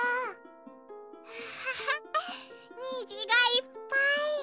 アハハにじがいっぱい。